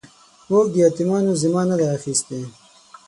موږ د يتيمانو ذمه نه ده اخيستې.